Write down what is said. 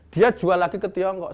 dia jual lagi ke tiongkok